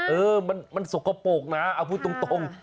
เออมันสกปรกนะเอาพูดตรง